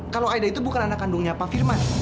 kalau aida itu bukan anak kandungnya pak firman